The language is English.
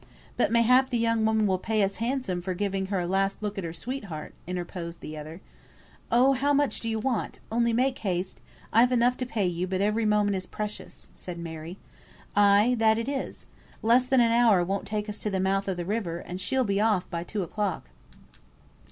"But, mayhap, the young woman will pay us handsome for giving her a last look at her sweetheart," interposed the other. "Oh, how much do you want? Only make haste I've enough to pay you, but every moment is precious," said Mary. "Ay, that it is. Less than an hour won't take us to the mouth of the river, and she'll be off by two o'clock!"